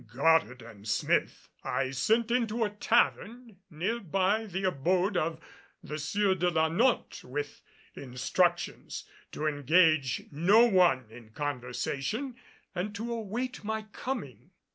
Goddard and Smith I sent into a tavern near by the abode of the Sieur de la Notte with instructions to engage no one in conversation and to await my coming.